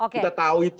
kita tahu itu